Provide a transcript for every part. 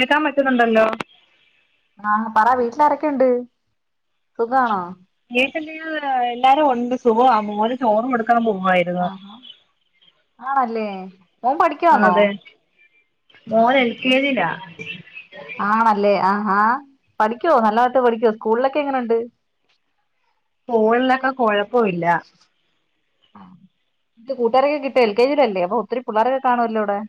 കെയ്ക്കാൻ പറ്റുന്നുണ്ടല്ലോ. ആഹ് പറ വീട്ടില് ആരക്കെണ്ട് സുഖാണോ? വീട്ടല് എല്ലാരും ഉണ്ട് സുഖവാ മോന് ചോറ് കൊടുക്കാം പോവ്വായിരുന്നു. ആല്ലേ മൊൻ പഠിക്കാന്നൊ? അതെ മോൻ എൽ കെ ജിയിലാ ആണെല്ലേ ആഹ് ആഹ് പഠിക്കോ ന്നല്ലാത്ത് പഠിക്കോ സ്കൂൾലൊക്കെ എങ്ങനെ ഉണ്ട്? സ്കൂൾളൊക്കേ കൊഴപ്പൊ ഇല്ലാ. കൂട്ടാരൊക്കെ കിട്ട്യാെ എൽ കെ ജി ലെല്ലേ അപ്പൊ ഒത്തിരി പിള്ളാരൊക്കെ കാണുല്ലോവ്ടേ.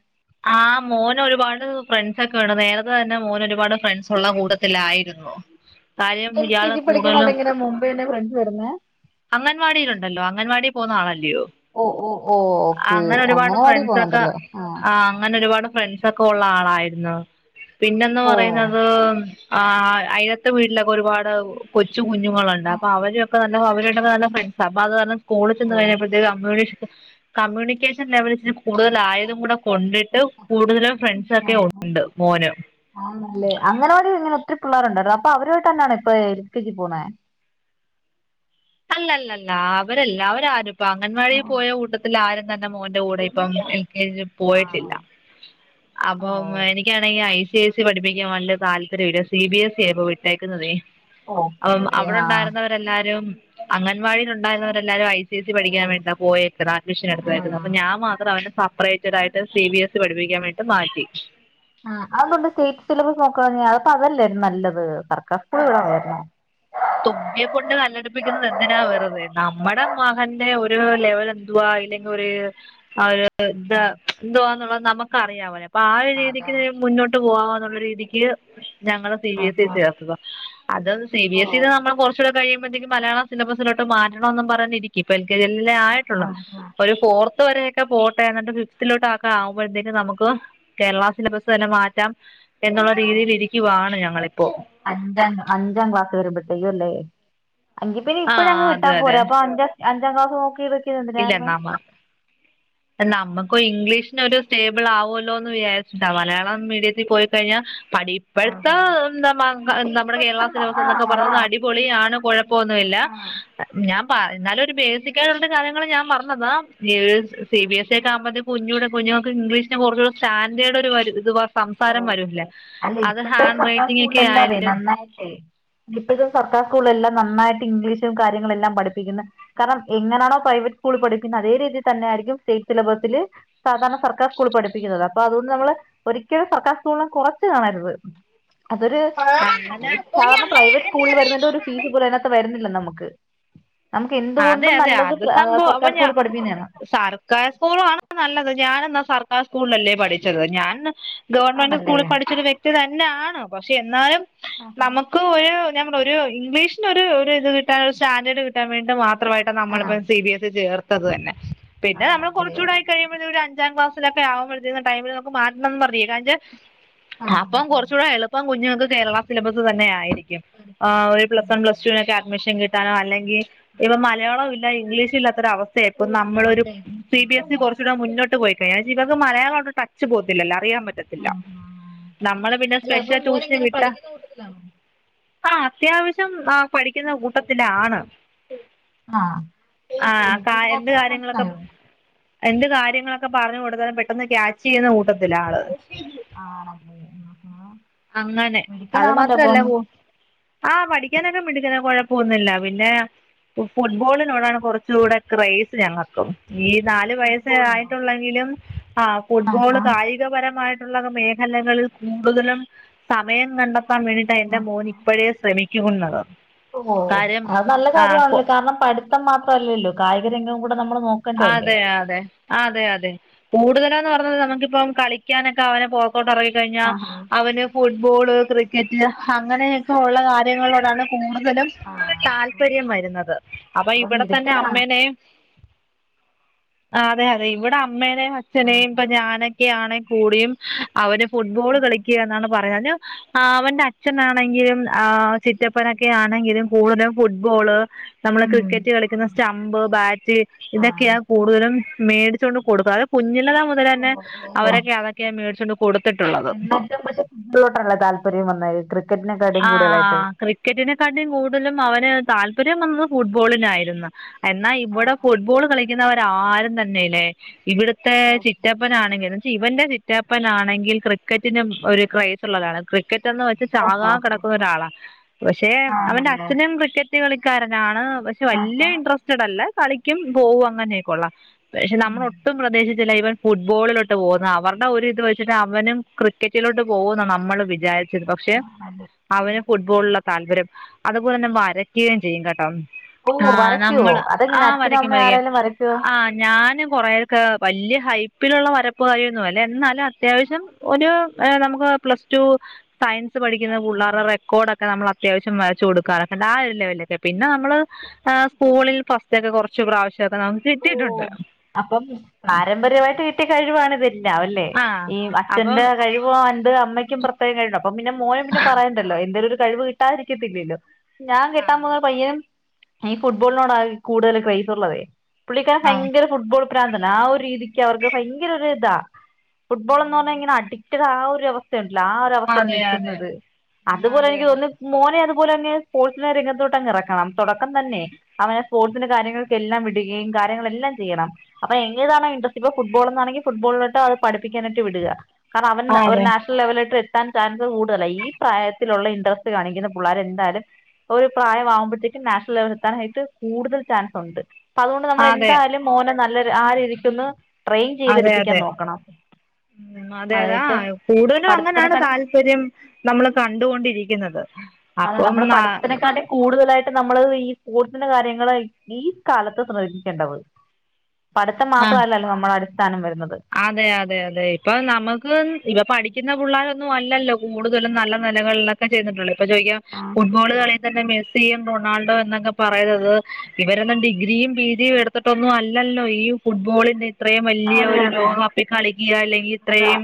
ആഹ് മോന് ഒരുപാട് ഫ്രണ്ട്സക്കെവടെ നേര്ത്തെ തന്നെ മോന് ഒരുപാട് ഫ്രണ്ട്സുള്ള കൂട്ടത്തിലായിരുന്നു. കാര്യം എൽ കെ ഇയാള് ജി പഠിക്ക്ണ കൂടുതലും [unintelligible] മുമ്പെന്നെ ഫ്രണ്ട്സ് വരുന്നെ. അംഗൻവാടിയിലുണ്ടല്ലോ അംഗൻവാടി പോവുന്ന ആളല്ലിയോ. ഓഹ് ഓഹ് ഓഹ് ഓക്കേ അങ്ങനവാടി പോവ്ണ്ട്ല്ലേ ആഹ്. ആഹ് അങ്ങനെ ഒരുപാട് ഫ്രണ്ട്സ് ഒക്കെ ഉള്ള ആളായിരുന്നു പിന്നന്ന് ഓ പറയുന്നത് ആഹ് അയ്ലത്തെ വീട്ടിലൊക്കെ ഒരുപാട് കൊച്ചു കുഞ്ഞുങ്ങളുണ്ട് ആഹ് അപ്പൊ അവരൊക്കെ നല്ല അവരുടൊക്കെ നല്ല ഫ്രണ്ട്സാ അപ്പ അത് കാര്ണം സ്കൂള് ചെന്ന് ഓ കഴിഞ്ഞപ്പോഴ്ത്തേനും [unintelligible] കമ്മ്യൂണിക്കേഷൻ ലെവല് ത്തിരി കൂടുതലായതും കൂടെ കൊണ്ടെയ് കൂടുതലും ഫ്രണ്ട്സ ഒക്കെ ഉണ്ട് മോന്. ആണെല്ലെ, അങ്ങനെ ഒരു ഇങ്ങനെ ത്തിരി പിള്ളേരുണ്ട് അപ്പൊ അവരു ആയിട്ട്ന്നേണ് ഇപ്പേ എൽ ക്കേ ജി പോവുന്നേ. അല്ലല്ലല്ല ആവരേല്ലാ അവര് ആരുംപ്പ അംഗൻവാടി പോയ കൂട്ട ല്ലാ ആരും തന്നെ മോന്റെ കൂടെ ഇപ്പം എൽ കെ ജി ആണോ പോയിട്ടില്ല ഓ അപ്പം എനി ക്ക്യാണെങ്കി ഐ സീ എസ്സ് പഠിപ്പിക്കാം വല്ല്യ താല്പര്യംല്ലാ സിബിഎസ്സ് ഇപ്പൊ വിട്ടേക്കുന്നതേയ്. ഓക്കെ അവ് ഓക്കെ അവടെ ആഹ് ഉണ്ടായിരുന്ന വരെല്ലാരും അംഗൻവാടിൽ ഉണ്ടായിരുന്ന വരെല്ലാരും ഐ സി സി പഠിക്കാൻ ഓ വേ [unintelligible] പോയേക്കുന്ന അഡ്മിഷൻ എടുത്തത് ആയിരുന്നു ആഹ് അപ്പ ഞാം മാത്രം അവരുടെ സപ്പറേറ്റ് താആയിട്ട് സി ബി എസ് പഠിപ്പിക്കാം വേണ്ടി മാറ്റി. ആഹ് അഅ്‌ന്തോണ്ട് സ്റ്റേറ്റ് സിലബസ് നോക്കാഞേ അപ്പ അതല്ലേ ന്നല്ലത് സർക്കാർ ഓ, സ്കൂൾ [unintelligible] തുമ്പിയെ കൊണ്ട് കല്ലടിപ്പിക്കുന്നത് എന്തിനാ വെറുതെ ന്നമ്മടെ മകൻന്റെ ഒരു ലെവല് ന്തുവാ ഇല്ലെങ്കി ഒരു ആഹ് ഒര് ഇത് എന്ത്വാന്നുള്ളത് ന്നമ്മക്കറിയാവൊല്ലേ അപ്പൊ ആ ഒരു അതാ രീതിക്ക് മുന്നോ ട്ട് പോവാന്നുള്ള രീതിക്ക് ഞങ്ങളെ സി ആ ബി എസ് ഇ ആ ചേർത്തതാ. അത് സി ബി ഓ എ സ്സില് ന്നമ്മലേ കൊർച്ചൂടേ കഴിയുംമ്പത്തേക്കും മലയാള സിലബസ്സിലോട്ട് മാറ്റണോന്ന് പർഞ്ഞിരി ഇപ്പൊ എൽ കെ ജി അല്ലെ ആയിട്ടുള്ളു. അപ്പൊരു ഫോർത്ത് വരെയൊക്കെ പോട്ടെ എന്നിട്ട് ഫിഫ്ത്തിലോട്ടൊക്കെ ആവുമ്പഴ്ത്തേനും നമുക്ക് കേരള സിലബസ് തന്നെ മാറ്റാം എന്നുള്ള ഓ രീതിയിൽ ഇരിക്കുവാണ് ഞങ്ങളിപ്പോ. അഞ്ചാം അഞ്ചാം ക്ലാസ് വരുമ്പഴ്ത്തേയ്യും അല്ലേ. അങ്കി പിന്നെ ആ ഇപ്പഴേ അങ് അതെ വിട്ടാൻ പോരേ അതെ അപ്പൊ അഞ്ചാ അഞ്ചാം ക്ലസ് നോക്കിയിത് ഇല്ല ഒന്നാമത് [inaudible] നമ്മുക്കു ഇംഗ്ലീഷ് നൊരു സ്റ്റേബിൾ ആവുവോല്ലോ ന്ന് വിചാരിച്ചിട്ടാ. മലയാളം മീഡിയത്തി പോയിക്കഴിഞ്ഞാ പഠി ഇപ്പഴ്ത്ത ആഹാ ന്ത മ എ നമ്മുടെ ഇപ്പഴത്തെ കേരള സിലബസ് ആ ന്നൊക്കെ അതാ പറഞ്ഞത് അടിപൊളിയാണ് കുഴ പ്പൊ ഒന്നില്ല ആ ഞാൻ പ എന്നാലും ബേസിക്കായിട്ടുള്ള കാര്യങ്ങൾ ഞാൻ പറഞ്ഞതാ. [unintelligible] സി ബി എസ് സ ആ ഒക്ക ആകുമ്പലും കുഞ്ഞുടെ കുഞ്ഞുങ്ങൾക്ക് ഇംഗ്ലീഷിന് കുറച്ചൂടെ സ്റ്റാൻഡേഡ് ഒരു വര് ഇത് വ സംസാരം ഓക്കെ വരൂല്ലെ. അത് ഹാൻഡ് റൈറ്റിംഗ് ഒക്കെ ആയാലും ആയിട്ടെ ഇപ്പഴ്ത്തെ സർക്കാർ സ്കൂൾല് എല്ലാം നന്നായിട്ട് ഇംഗ്ലീഷും കാര്യങ്ങളെല്ലാം പഠിപ്പിക്ക്ന്ന്. കാരണം എങ്ങനാണോ പ്രൈവറ്റ് സ്കൂളി പഠിക്കുന്ന അതേ രീതിയിൽ തന്നെയായിരിക്കും സ്റ്റേറ്റ് സിലബസില് സാധാരണ സർക്കാർ സ്കൂൾ പഠിപ്പിക്കുന്നത്. അപ്പൊ അതുകൊണ്ട് നമ്മള് ക്ക്യലും സർക്കാർ സ്കൂളിനെ കുറച്ച് കാണരുത്. അതൊരു അങ്ങനെ സാധാരണ പ്രൈവറ്റ് സ്കൂളിൽ വരുന്നതിന്റെ ഒരു ഫീസ് പോലും അതിനക ത്ത് വരുന്നില്ല നമുക്ക്. നമുക്ക് അതെ എന്തുകൊണ്ടും അതെ നല്ലത് അത് സർക്കാർ സ്കൂളിൽ പഠിപ്പിക്കുന്നാണ്. ക്കാർ സ്കൂളാണ് നല്ലത്. ഞാൻ എന്നാ സർക്കാർ സ്കൂളിലല്ലേ പഠിച്ചത്. ഞാൻ ഗവൺമെന്റ് ആണല്ലേ സ്കൂളിൽ പഠിച്ചൊരു വ്യക്തി തന്നെയാണ്. പക്ഷെ എന്നാലും ആഹാ. നമുക്ക് ഒരു ഞാൻ പറഞ്ഞില്ലെ ഒരു ഇംഗ്ലീഷ് ന് ഒരു ഇത് കിട്ടാൻ ഒരു സ്റ്റാൻഡേർഡ് കിട്ടാൻ വേണ്ടിട്ട് മാ ത്രവായിട്ടാ ആ നമ്മളിപ്പ സി ബി എസ് ഇ ചേർത്തത് തന്നെ. പിന്നെ നമ്മൾ ആണല്ലേ കുറച്ചൂടെ ആയി കഴിയുമ്പഴ്ത്തേക്കും ഒരു അഞ്ചാം ക്ലാസ് സിലൊക്കെ ആകുമ്പഴ് [unintelligible] ടൈമില് നമുക്ക് മാറ്റണംന്ന് ആ [unintelligible] അപ്പം കുറച്ചൂടെ എളു പ്പം കുഞ്ഞുങ്ങക്ക് കേരള സിലബസ് തന്നെ ആയിരിക്കും. ഏഹ് ഒരു പ്ലസ് വൺ പ്ലസ് എനിക്കെന്തൊക്കെ ടുവിനൊക്കെ അ ഡ്മിഷൻ കിട്ടാനോ അല്ലെങ്കി ഇപ്പ മലയാളവു ഇല്ല ഇംഗ്ലീഷ് ഇല്ലാത്തൊരവസ്ഥയാ ഇപ്പം നമ്മളൊരു അവസ്ഥയായിരുന്നു സി ബി എസ് സ് ഇ ആഹ് കുറച്ചൂടെ മുന്നോട്ട് പോയിക്കഴിഞ്ഞാ. എന്ന്വെച്ചാ ഇവക്ക് മലയാളായ്ട്ട് ടച്ച് പോകത്തില്ലല്ലോ അറിയാൻ പറ്റ ത്തില്ല. ആഹ് ആഹ് നമ്മള് പിന്നെ അല്ല അപ്പം സ്പെഷ്യൽ ട്യൂഷന് മോനെങ്ങനെ വിട്ടാ പഠിക്കുന്ന കൂട്ടത്തിലാണോ ആഹ് അത്യാവശ്യം ആഹ് പഠിക്കുന്ന കൂട്ടത്തിലാണ്. ആഹ് ആഹ് എൽ കാ കെ എന്ത് ജിയിലായപ്പോ കാര്യങ്ങളൊക്കെ മനസ്സിലായോ എന്ത് കാര്യങ്ങളൊക്കെ പറഞ്ഞ് കൊടുത്താലും പെട്ടെന്ന് ക്യാച്ച് ചെയ്യുന്ന കൂട്ടത്തിലാ ആള്. ആണല്ലേ ആഹാ. അങ്ങനെ അത് മിടുക്കനാണല്ലോ മാത്ര അപ്പം അല്ല വോ ആഹ് പഠിക്കാനൊക്കെ മിടുക്കനാ കൊഴപ്പൊന്നു ഇല്ല. പിന്നെ, ഫുട് ഫുട്ബോളിനോടാണ് കുറച്ചുകൂടെ ക്രേസ് ഞങ്ങക്കും. ഈ നാല് വയസ്സേ ഫുട്ബോളിലോ ആയിട്ടുള്ളെങ്കിലും ആഹ് ഫുട്ബോള് കായി കപരമായിട്ടുള്ള മേഖലകളിൽ കൂടുതലും സമയം കണ്ടെത്താൻ വേണ്ടിയിട്ടാ എൻ്റെ മോൻ ആഹ് ഇപ്പഴേ ശ്രമിക്കുകുന്നത് ഓഹ് അത് നല്ല കാര്യ ആണല്ലോ. കാരണം പഠിത്തം മാത്ര അല്ലല്ലോ. കായികരംഗം കൂടെ നമ്മൾ നോ അതെയതെ. അതെയതെ. കൂടുതലെന്ന് പറഞ്ഞത് നമുക്കിപ്പം കളിക്കാനൊക്കെ അവനെ പൊ ത്തോട്ടറങ്ങി കഴിഞ്ഞാ ആഹ് ആഹ് അവന് ഫുട്ബോള്, ക്രിക്കറ്റ് ഹങ്ങനെയൊക്കെ ഉള്ള കാര്യങ്ങളോടാണ് കൂടുതലും ആഹ് താല്പര്യം വരുന്നത്. അപ്പൊ ഇവടെ തന്നെ അമ്മേനെം അതെ അതെ ഇവിടെ അമ്മനേം അച്ചനേം ആഹ് ഇപ്പൊ ഞാനൊക്കെയാണെ കൂടിയും അവരും ഫുട്ബോള് ആഹ് കളിയ്ക്കാന്നാണ് ഞാൻ പറയ അവന്റെ അച്ചനാണെങ്കിലും ആ ചിറ്റപ്പനൊക്കാണെങ്കിലും കൂടുതലും ഫുട്ബോള് നമ്മള് ഉം ക്രിക്കറ്റ് കളിക്കുന്ന സ് സ്റ്റമ്പ് ബാറ്റ് ഇതൊക്യാ ആഹ് കൂടുത ലും മേടിച്ചൊണ്ട് കൊടുക്കും അത് കുഞ്ഞില മുതലെന്നെ ഓഹ് ഓഹ് അവരൊക്കെ അതൊക്കെ മേടിച്ചൊണ്ട് കൊട്ത്ത്ട്ടുള്ളത് ട്ടല്ലെ താല്പര്യം വന്നത് കൃ ആഹ് ക്രിക്കറ്റിനെക്കാട്ടിം കൂടുതലും അവന് താല്പര്യം വന്നത് ഫുട്ബോളിനായിരുന്നു എന്നാ ഇവടെ ആഹ് ഫുട്ബോള് കളിക്കുന്നവര ആരും തന്നെലെ ഇവ്ട്ത്തെ ഓഹോ ചിറ്റപ്പനാണെങ്കിലും ഇവന്റെ റ്റപ്പനാണെങ്കിൽ ക്രിക്കറ്റിനും ഒരു ക്രേസുള്ളൊരാളാ ക്രിക്കറ്റെന്ന് വെച്ച് ഓഹോ ചാകാൻ ഹോ കെടക്കുന്നൊരാളാ പക്ഷെ അവന്റെ ആണല്ലേ അച്ഛനും ക്രിക്കറ്റ് കളിക്കാരനാണ് പക്ഷെ വല്യ ആഹാ ഇൻട്രസ്റ്റഡല്ല കളിക്കും പോവും അങ്ങനെയൊക്കെള്ള പക്ഷെ ഉം നമ്മളൊട്ടും പ്രതീശിച്ചില്ല ഇവൻ ഫുട്ബോളിലോട്ട് പോകുന്ന് അവര്ടെ ഒരിത് വെച്ചിട്ട് അവനും ക്രിക്കറ്റിലോട്ട് പോകുന്നാണ് നമ്മള് വിചാരിച്ചത് പക്ഷെ മല്ലി അവന് ഫുട്ബോൾല താല്പര്യം അതുപോലെന്നെ വരക്യേം ചെയ്യും കെട്ടോ ഓ ആഹ് വരയ്ക്കുവോ നമ്മള് അതെങ്ങനെ ആഹ് അച്ഛനും വരയ്ക്കും അമ്മയും വരയ്ക്കും ആരേലും വരയ്ക്കുവോ ആഹ് ഞാന് കൊറെയൊക്കെ വല്യ ഹൈപ്പിലുള്ള വരപ്പ് കാരി ഒന്നു അല്ല എന്നാലും അത്യാവശ്യം ഒരു എ നമുക്ക് പ്ലസ് ടു സയൻസ് പഠിക്കുന്ന ആഹാ. പുള്ളാർ കോഡൊക്കെ നമ്മള് അത്യാവശ്യം വരച്ചു കൊടുക്കാറൊക്കെണ്ട് ആ ഒരു ലെവലിലൊക്കെ പിന്നെ നമ്മള് എ സ്കൂളിൽ ഫസ് തൊക്കെ കൊർച്ച് പ്രാവശ്യോക്കെ നമുക്ക് ഓ കിട്ടിട്ടുണ്ട് അപ്പം പാരമ്പര്യമായിട്ട് കിട്ടിയ കഴിവാണ്ത് ല്ലാവല്ലേ ആഹ് ഈ അച്ഛന്റെ അപ്പം കഴിവൊണ്ട് അമ്മയ്ക്കും പ്ര [unintelligible] അപ്പം പിന്നെ മോന് പിന്നെ പറയണ്ടല്ലോ എന്തേലും ഒരു കഴിവ് കിട്ടാതിരിക്കത്തില്ലല്ലോ ഞാൻ കെട്ടാൻ ആഹ് പോകുന്ന പയ്യൻ ഈ ഫുട്ബോളിനോടാ കൂടുതൽ ക്രെസുള്ളതേ പുള്ളിക്കാരൻ ആഹ് ഭയങ്കര ഫുട്ബോൾ പ്രാന്തന ആ ഒരു രീതിക്ക് അവർക്ക് ഭയങ്കരൊര് താ ഫുട്ബോൾ ന്ന് പർഞ്ഞാ ഇങ്ങനെ അഡിക്റ്റഡ ആ ഒരു അവസ്ഥയുണ്ടല്ലോ ആ ഒരവസ്ഥേലാ അതെ അതെ നിക്കുന്നത് അതുപോലെ അതെ അതെ എനിക്ക് തോന്നുന്നു മോനെ അതുപോലെന്നെ സ്പോർട്സിനെ രംഗത്തോട്ടങ്ങെറക്കണം തൊടക്കം തന്നെ അവനെ സ്പോർട്സിന്റെ കാര്യങ്ങൾക്കെല്ലാം വിടുകയും കാര്യങ്ങളെല്ലാം ചെയ്യണം അപ്പൊ എങ്ങീതാണോ ഇൻഡ്രസ്റ്റ് ഇപ്പ ഫുട്ബോൾന്നാണെങ്കി ഫുട്ബോളിലോട്ട് അത് പഠിപ്പിക്കാനായിട്ട് വിടുക കാരണം അവൻ ഒരു അതെ നാഷ് ലെവലോട്ടെത്താൻ ചാൻസ് കൂടുതല ഈ പ്രായത്തിലുള്ള ഇൻട്രസ്റ്റ് കാണിക്കുന്ന പുള്ളാരെന്താലും ഒരു പ്രായാവുമ്പഴത്തേക്കും നാഷണൽ ലെവലെത്താനായിട്ട് കൂടുതൽ ചാൻസുണ്ട് അപ്പ അതോണ്ട് അതെ നമ്മളെന്തായാലും മോനെ നല്ല ആ രീതിക്കൊന്ന് ട്രെയിൻ അതെ അതെ ചെയ്തെടുപ്പിക്കാൻ നോക്കണം ഉം അതെ അതെ ആ കൂടുതലും അങ്ങനാണ് പഠിത്തത്തിനെക്കാളും താല്പര്യം നമ്മള് കണ്ടുകൊണ്ടിരിക്കുന്നത് അതെ അപ്പം നമ്മള് ന പഠിത്തത്തിനെക്കാട്ടി കൂടുതലായിട്ട് നമ്മള് ഈ സ്പോർട്സിന്റെ കാര്യങ്ങള് ഈ കാലത്ത് ശ്രമിക്കണ്ടത് പട്ത്തം മാത്രല്ലല്ലോ നമ്മളടിസ്ഥാനം വര്ന്നത് അതെ അതെ അതെ ഇപ്പൊ നമ്മക്കും ഇപ്പ പഠിക്കുന്ന പുള്ളാരൊന്നും അല്ലല്ലോ കൂടുതലും നല്ല നിലകളില ക്കെ ചെയ്തിട്ടുള്ളത് ഇപ്പ ചോയ്ക്കും ആഹ് ഫുട്ബോള് അതെ കളി തന്നെ മെ സ്സിയും റൊണാൾഡോ എന്നൊക്കെ പറയുന്നത് ഇവരെല്ലം ഡിഗ്രിയും പീ ജിയും എട്ത്ത്ട്ടൊന്നും അല്ലല്ലോ ഈ ഫുട്ബോളിന്ന് ഇത്രേം വല്യ അതെ ഒരു അതെ ലോകകപ്പിൽ കളിക്കുക അല്ലെങ്കിൽ അതാ ഇത്രേം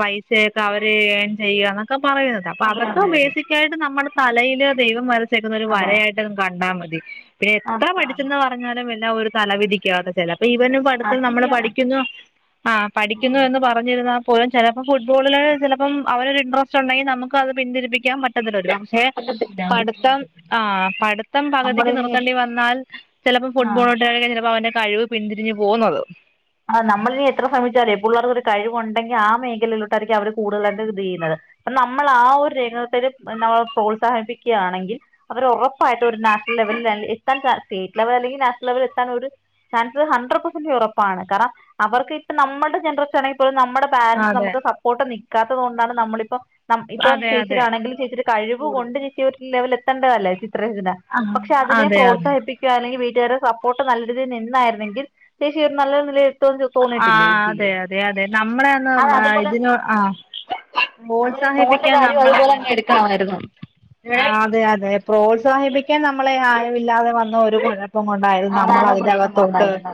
പൈസായിട്ട് അവര് ചെയ്യന്നൊക്കെ പറയുന്നത് അതെ അപ്പതൊക്കെ അതെ അതെ ബേസിക് ക്യായിട്ട് നമ്മുടെ തലയില് ദൈവം വരച്ചേക്കുന്ന ഒരു അതെ വരയായിട്ട് കണ്ടാ മതി. പിന്നെ എത്ര അതാണ് പഠിച്ചെന്ന് പറഞ്ഞാലും എല്ലാം ഒരു തലവിധിക്കാവാത്ത ചില അപ്പൊ ഉണ്ട് ഇവനും പഠത്തിൽ അത് നമ്മള് ശരിയാണ് പഠിക്കുന്നു. ആഹ് പഠിക്കുന്നു ആഹ് എന്ന് പറഞ്ഞിരുന്നാൽ പോലും ചിലപ്പോ ഫുട്ബോളില് ചിലപ്പോ അവരരു ഇൻട്ര സ്റ്റ് ണ്ടെങ്കിൽ നമുക്ക് അത് പിന്തിരി പ്പിക്കാ പറ്റത്തില്ലല്ലോ. ക്ഷേ പറ്റത്തില്ല ഒരിക്കലും പഠിത്തം പറ്റത്തില്ല ആഹ് പഠിത്തം പകുതിക്ക് നമ്മളിനി നിർത്തേണ്ടി വന്നാൽ ചിലപ്പോ ആഹ് ഫുട്ബോൾലോട്ട്ക്കെ ചിലപ്പോ അവന്റെ കഴിവ് പിന്തിരിഞ്ഞു പോകുന്നത്. ആഹ് നമ്മളിനിഎത്ര ശ്രമിച്ചാലേ എഹ് പിള്ളേർക്ക ഒരു കഴിവുണ്ടെങ്കിൽ ആഹ് മേഖലയിലോട്ടായിരിക്കും അവര് കൂടുതലായി ഇത് ചെയ്യുന്നത്. നമ്മള് ആഹ് ഒരു രംഗത്തി നമ്മ പ്രോത്സാഹിപ്പിക്കുകയാണെങ്കിൽ അവർ ഉറപ്പായിട്ട് ഒരു നാഷണൽ ലെവല എത്താൻ സ്റ്റേറ്റ് ലെവൽ അല്ലെങ്കിൽ നാഷണൽ ലെവലിൽ എത്താൻ ഒരു ചാൻസ് ഹാൻഡ്രഡ് പെസന്റ് യൂറ പ്പാണ്. കാരണം അവർക്ക് ഇപ്പം നമ്മുടെ ജനറേഷൻ ആണെങ്കിൽ പോലും നമ്മുടെ പാരൻറ്സ് അതെ നമുക്ക് സ പ്പോട്ട് നിക്കാത്തത് കൊണ്ടാണ് നമ്മളിപ്പം ഇപ്പം അതെ അതെ ചേച്ചിട്ടാണെങ്കിൽ ചേച്ചിട കഴിവ് കൊണ്ട്. ഈ ഒരു ലെവൽ എത്തേണ്ടതല്ലേ ചിത്രരചന. പക്ഷെ അതിനെ അതെ അതെ പ്രോത്സാഹിപ്പി കാണെങ്കി വീട്ടുകാരുടെ സപ്പോർട്ട് നല്ല രീയിൽ നിന്നായിരുന്നെങ്കിൽ. ച്ചി രു നല്ലൊരു നിലയിൽ. ആഹ് അതെ അതെ അതെ. നമ്മളെന്ന് അത് അതുപോലെ ഇതിന ആഹ് പ്രോത്സാഹിപ്പിക്കാൻ നമ്മളങ്ങാനൊ ക്കെ നോർമ്മലായിരുന്നു. ആഹ് അതെ അതെ. പ്രോത്സാഹിപ്പിക്കാൻ നമ്മളെ ആയമില്ലാതെ വന്ന ഒരു കുഴ പ്പം കൊണ്ടായിത് നമ്മള് അതാണ് പ്രശ്നം അതിന്റെകത്തോട്ട് വന്നായിരുന്നത്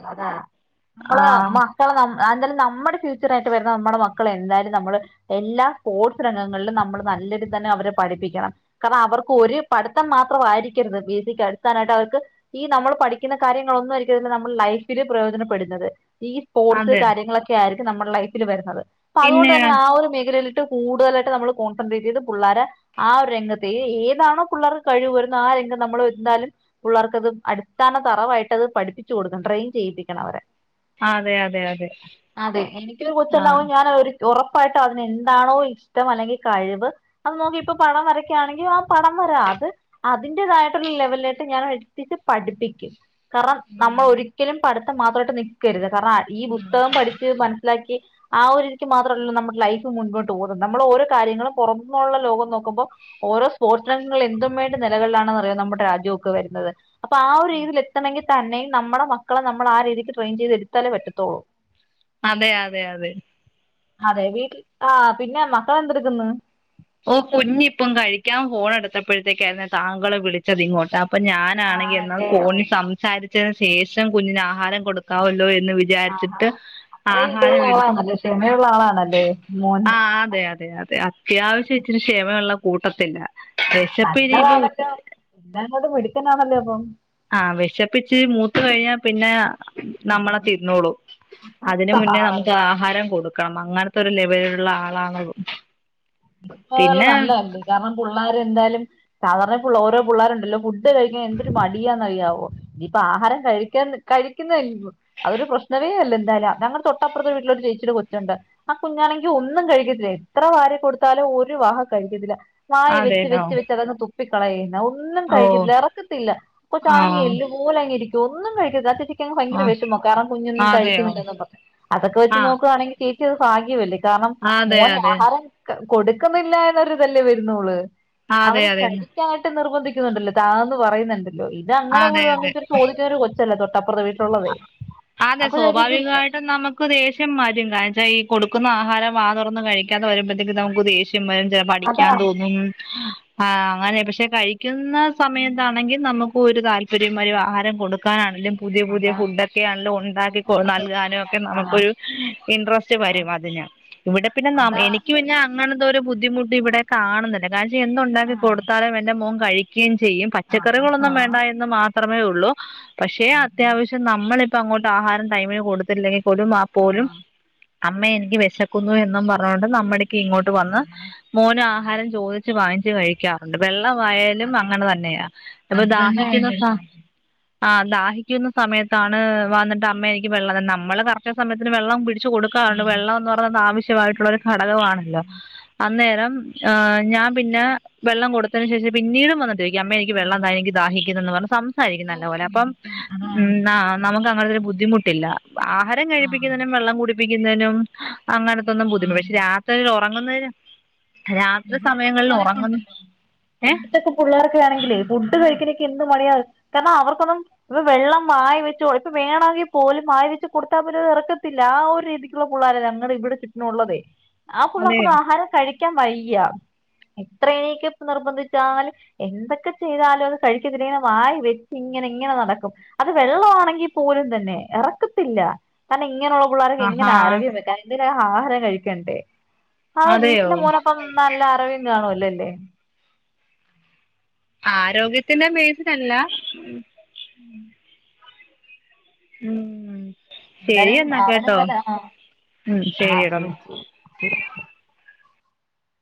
ആഹ്. പ്പൊ ന്നം അഹ് ന്തായാലും നമ്മുടെ ഫ്യൂച്ചറായിട്ട് വരുന്ന നമ്മുടെ മക്കളെ. എന്തായാലും നമ്മള് എല്ലാ സ്പോർട്സ് രംഗങ്ങളിലും നമ്മള് നല്ലരുൽ തന്നെ അവരെ പഠിപ്പിക്കണം. കാര്ണം അവർക്ക് ഒരു പട്ത്തം മാത്രമായിരിക്കരുത് ബി ട്ടിക്ക് അടുത്താനായിട്ട് അവർക്ക്. ഈ നമ്മൾ പഠി ക്യണ കാര്യങ്ങളൊന്നും ആയിരിക്കില്ല നമ്മൾ ലൈഫില് പ്രയോജനപ്പെടുന്നത്. ഈ സ്പോർട്സ് അതെ കാര്യങ്ങളൊ ക്യായിരിക്കും നമ്മുടെ ലൈഫിൽ വരുന്നത്. അപ്പൊ പിന്നെ അതുകൊണ്ട് തന്നെ ആഹ് ഒരു മേഖലയില് കൂടുതായിട്ട് നമ്മള് കോൺസെട്രേറ്റ് ചെയ്ത് പുള്ളരെ. ആഹ് രു രംഗത്തെ ഏ ഏതാണോ പിള്ളേർക്ക് കഴിവ് ന്നാആഹ് രംഗം നമ്മള് ന്താലും പിള്ളേർക്കത് അട് താന തറവായിട്ട് അത് പഠിപ്പിച്ച് കൊടുക്കണം. ട്രെയിൻ ചെയ്യിപ്പിക്കണം അവരെ. അതെ അതെ അതെ അതെ എനിക്കൊരു ആ കൊച്ചുണ്ടാവു ഞാൻ ഒരു ഉറപ്പായിട്ട് അതിനെന്താണോ ഇഷ്ടം അല്ലെങ്കി കഴിവ് അത് നോക്കി ഇപ്പോ പടം വരക്കയാണെങ്കി ആഹ് പടം വരാ അത്. അതിന്റേതായിട്ടുള്ള ലെവലിലായിട്ട് ഞാൻ എഴത്തിച് പഠിപ്പി കും. കാരണം നമ്മൾ ഉം ഒരിക്കലും പഠിത്തം മാത്രമായിട്ട് നിക്കരുത്. കാരണം ഈ ഉം പുസ്തകം പഠിച്ച്മൻ സിലാക്കി. ആഹ് ഒരുരിക്ക് മാത്രമല്ല ല്ലോ നമ്മുടെ ലൈഫ് മൻപോട്ട് പോകുന്നത്. നമ്മളെ ഓരോ കാര്യങ്ങളും പുറുന്നുള്ള ലോകം നോക്കുമ്പോ ഓരോ സ്പോഡ്സ് രാഗങ്ങളില് എത്തും വേ നിലകളിലാണെന്ന്റിയോ നമ്മുടെ രാജ്യ ക്കെ വരുന്നത്. അപ്പൊ ആഹ് ഒരു രീതി. എത്തണങ്കി തന്നെയും നമ്മുടെ മക്കളെ നമ്മൾ ആഹ് രീതിക്ക് ട്രെയിൻ ചെയ്ത് എടുത്താലേ പറ്റതൊള്ളൂ. അതെ അതെ അതെ. അതെ വീട്ടിൽ ആഹ് പിന്നെ മക്കളെന്തെട്ക്ന്ന്. ഓഹ് കുഞ്ഞ് പ്പം കഴിക്കാൻ ഫോണെടുത്തപ്പോഴത്തേക്കായിരുന് താങ്കള് വിളിച്ചത് ഇങ്ങോട്ടാണ്. അപ്പൊ ഞാൻ. ഞാനാണെങ്കിൽ ആണല്ലേ ഫോണിൽ ഓക്കെ സംസാരിച്ചതിനു ശേഷം കുഞ്ഞിന് ആഹാരം കൊടുക്കാമല്ലോ എന്ന് വി ആഹാ വചാരിച്ചിട്ട് അത്രയും ഇതുള്ള ആഹാരം എട്ത്ത് ആളാണല്ലേ ക്ഷമയുള്ള ആളാണല്ലേ മോൻ ആഹ് അതെ അതെ അതെ. അത്യാവശ്യം ഇച്ചിരി ക്ഷമയുള്ള കൂട്ടത്തില്ല. ആഹ് നല്ലതാണല്ലോ. ഇപ്പം ങ്ങോട്ട് മിടുക്കനാണല്ലോ അപ്പം. ആഹ് വിശപ്പിച്ച് മൂത്ത് കഴിഞ്ഞാ പിന്നെ. നമ്മളെ തിന്നോളും അതിന് അപ്പം മുന്നേ ആ നമുക്ക് ആഹാരം കൊടുക്കണം അങ്ങന നെത്തൊരു ലവലിലുള്ള ആളാണത്. ആഹ് പിന്നെ നല്ലതല്ലേ കാരണം പിള്ളേർ എന്തായാലും. സാധാരണ പിള്ളോഓരോ പിള്ളേരുണ്ടല്ലോ ഫുഡ് കഴിക്കാ എന്തൊരു മടിയാന്ന്റിയാവോ. ഇനിയിപ്പെ ആഹാരം കഴിക്കാ കഴിക്കുന്ന അതൊരു പ്രശ്നവെഅല്ല എന്തായാലും ഞങ്ങള്ടെ തൊട്ടപ്പുറത്തെ വീട്ടിലരു ചേച്ചീടെ കൊച്ചുണ്ട്. ആ കുഞ്ഞാണെങ്കി ഒന്നും കഴിക്കത്തില്ല എത്ര വാരി കൊടു ത്താലും ഒരു വക്കഴിക്കത്തില്ല വായ വെച്ച് അതെല്ലോ വെച്ച് വെച്ച് അത്അങ് തു പ്പിക്കളയുന്ന ഒന്നും ഓ കഴിക്കത്തില്ല എറക്കത്തില്ല. ആ കൊച്ചാണെങ്കി എല്ല് പോലെ പോലങ് ഇരിക്കും ഒന്നും കഴിക്കില്ല ആ ചേച്ചി ഭയങ്കര ആ വിഷമം കാരണം കുഞ്ഞൊന്നും അതെയോ കഴിക്കുന്നില്ലന്ന് പറഞ്, അതൊക്കെ വെച്ച് ആ നോക്കുവാണെങ്കിൽ ചേചി അത് ഭാഗ്യമല്ലേ. കാരണം അതെ മോന് അതെ ആഹാരം കൊടുക്കുന്നില്ല എന്നുള്ളരുതല്ലേ വരുന്നുള് അവൻ അതെ അതെ കഴിക്കാനായിട്ട് നിർബന്ധിക്കുന്നുണ്ടല്ലോ താന്ന് പറയുന്നുണ്ടല്ലോ ഇത് അതെ അങ്ങനെപോലും അതെ അങ്ങനത്തെ ഒരു ചോദിചൊരു കൊച്ചല്ല തൊട്ട് ആപ്രത്തെ വീ അതെ സ്വാഭാവികമായിട്ടും നമ നമക്ക് ദേഷ്യം വരും. കാരണം എന്താവച്ച ഈ കൊടുക്കുന്ന ആഹാരം വാ തുറന്ന് കഴിക്കാതെ വരുമ്പഴേക്ക് നമുക്ക് ദേഷ് രും പല അതാ പഠിക്കാൻ തോന്നും ആ അങ്ങനെ പക്ഷെ കഴി ക്കുന്ന ഉം, സമയത്താണെങ്കിൽ നമുക്ക് ഒരു ഉം, താല്പര്യംവരും, ആഹാരം കൊടുക്കാനാണെങ്കിലും പുതിയ പുതിയ അതാണ് ഫുഡക്കെയാണെല്ലോ ഉണ്ടാക്കി ഉണ്ടല്ലേ നൽകാനും കൊടുക്കാൻ. ഒക്കെ ആ, നമുക്കൊരു ഇൻ്രസ്റ്റ് ആ, വരും അതിന് ഇവിടെ പിന്നെ ന അതാ എനിക്ക് പിന്ന അങ്ങനത്തെ ഒരു ബുദ്ധിമുട്ട് ഇവിടെ കാണുന്നില്ല. കാര്യം ആ, എന്തുണ്ടാക്കി കൊടുത്താലും എന്റെ മോൻ കഴി ക്കേം ചെയ്യും ആ, ആഹാ, പച്ചക്കറികളൊന്നും വേണ്ട എന്ന് മാത്രമേ ഉള്ളൂ പക്ഷേ ആഹാ, അത്യാവശ്യം നമ്മളിപ്പോ അങ്ങോട്ട് ആഹാരം ടൈമിന് കൊടുത്തില്ലെങ്കിൽ പോലും ആ പോലും അമ്മേ എനിക്ക് വിശക്കുന്നു എന്നും പറഞ്ഞോണ്ട് ഈ നമ്മട്ക്ക് ഇങ്ങോട്ട് ഇത് വന്ന് വേണം. മോന് ആഹാരം ചോദിച്ചു വാങ്ങിച്ച് കഴിക്കാം ണ്ട് വെള്ളവായാലും അത് അങ്ങനെ തന്നെയാ ഇപ്പൊ അത് തന്നെ ദാഹിക്കുന്ന വേണ്ട ഒരു സ ഭാഗ്യം ആഹ് ദാഹിക്ന്ന സമയത്താണ് വന്നിട്ട് അമ്മേ എനിക്ക് വെള്ളം, നമ്മള് കറക്റ്റ് സമയത്തിന് വെള്ളം പിടിക്ക ച്ചു ആ, കൊടുക്കാറുണ്ട് വെള്ളംഎന്ന് പറഞ്ഞ ആവശ്യമായിട്ടുള്ള ഒരു ഘടകമാണല്ലോ, അന്നേരം ആഹ് ഞാൻ പിന്നെ വെള്ളം കൊടുത്തന് ശേഷം പിന്നീടും വന്നിട്ട ചോദിക്കും അമ്മ എനിക്ക് ആ, വെള്ളം താ എനിക്ക് ദാഹിക്കുന്ന് എന്ന് പറഞ് സംസാരിക്കും നല്ലപോലെഅപ്പോ ആഹ് നമുക്ക് അങ്ങനത്തെ ഒരു ബുദ്ധിമുട്ടില്ല ആഹാരം കഴിപ്പിക്കുന്നതിനും വെള്ളം കൂടി പ്പിക്കുന്നതിനും അങ്ങനത്തെ ഒന്നും ആ, ബുദ്ധിമുട്ട പക്ഷെ രാത്രിൽ ഉറങ്ങുന്നതിന് രാത്രി സമയങ്ങളിൽ ഉറങ്ങു ഏഹ് ഇപ്പത്തെ പുള്ളേർക്കാണെങ്കിൽ ഫുഡ് കഴിക്കണൊക്കെ എന്തു മടിയാണ് കാരണം അവർക്കൊന്നും ഇപ്പൊ വെള്ളം വായ വെച്ചോ ഇപ്പൊ വേണമെങ്കിൽ പോലുംവായ വെച്ച് കൊടുത്താ ഇറക്കത്തില്ല ആ ഒരു രീതി എത്രയോ പുള്ളാർ ഞങ്ങളെ ഇവിടെ ചുറ്റിനും ഉള്ളതെ ആ അതെയോ പുള്ളർക്കൊന്ന് ആഹാരം കഴിക്കാൻ വയ്യ എത്രയൊക്കെ നിർബന്ധിച്ചാല് എന്തൊക്കെ ചെയ്താലോ ഒന്ന് കഴിക്കത്തില്ല വായ വെച്ച് ഇങ്ങനെ ഇങ്ങനെ നടക്കും അത് വെള്ളമാണെങ്കിൽ പോലും തന്നെ ഇറക്കത്തില്ല തന്നെ ഇങ്ങനെയുള്ള പിള്ളേർക്കെങ്ങനെ ആഹാ ആരോഗ്യം വെക്കാനാ എന്തിനാ ആഹാരം കഴിക്കണ്ടേ? ആ അതെയോ വീട്ടിലെ മോന ഇപ്പം നല്ല അറിവിന്ന് കാണുമല്ലേല്ലേ ആരോഗ്യത്തിന്റെ ബേസല്ല ഉം ഉം ശരി എന്തായാലും എന്ന കേട്ടോ അവനെന്തായാലും ആ ഉം ആ ശരിയടോ ശരി ശരി ശരി